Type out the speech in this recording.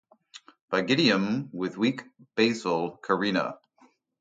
Pygidium with weak basal carina.